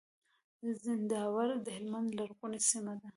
زينداور د هلمند لرغونې سيمه ده.